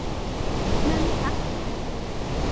นั่นปะไร